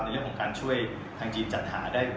เรื่องของการช่วยทางจีนจัดหาได้